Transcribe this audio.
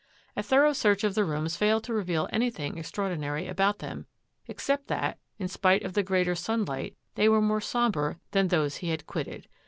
A thorough search of the rooms failed to reveal anything extraordinary about them ex cept that, in spite of the greater sunlight, they were more sombre than those he had quitted.